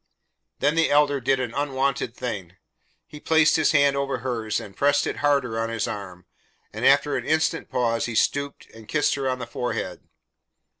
Then the Elder did an unwonted thing. He placed his hand over hers and pressed it harder on his arm, and after an instant's pause he stooped and kissed her on the forehead.